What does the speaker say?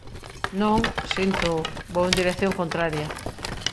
Non, síntoo, vou en dirección contraria.